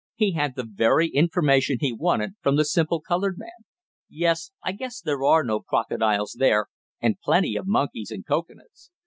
He had the very information he wanted from the simple colored man. "Yes, I guess there are no crocodiles there, and plenty of monkeys and cocoanuts.